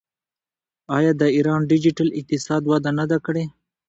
آیا د ایران ډیجیټل اقتصاد وده نه ده کړې؟